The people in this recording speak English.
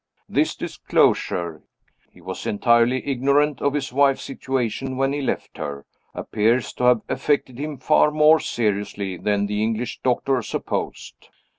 This disclosure (he was entirely ignorant of his wife's situation when he left her) appears to have affected him far more seriously than the English doctor supposed.